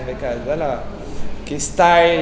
với cả rất là style